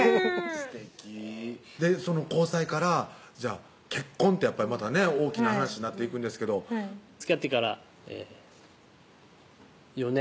すてきその交際からじゃあ結婚ってやっぱりまたね大きな話になっていくんですけどつきあってから４年？